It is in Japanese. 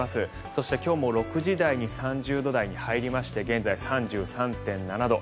そして、今日も６時台に３０度台に入りまして現在３３．７度。